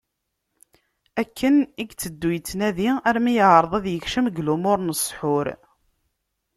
Akken i iteddu yettnadi armi yeεreḍ ad yekcem deg lumuṛ n ssḥur.